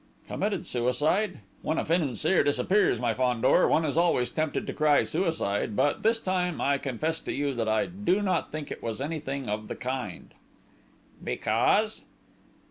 "Committed suicide?... When a financier disappears, my Fandor, one is always tempted to cry 'suicide'; but, this time, I confess to you that I do not think it was anything of the kind!..." "Because?"